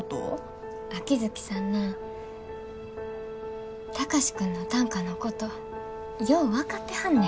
秋月さんな貴司君の短歌のことよう分かってはんねん。